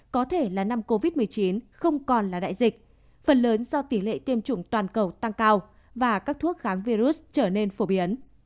có thể là năm covid một mươi chín không còn là đại dịch phần lớn do tỷ lệ tiêm chủng toàn cầu tăng cao và các thuốc kháng virus trở nên phổ biến